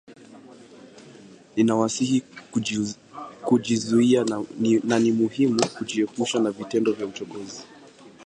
Ninawasihi kujizuia na ni muhimu kujiepusha na vitendo vya uchokozi